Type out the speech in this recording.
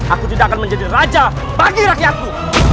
aku tidak akan menjadi raja bagi rakyatku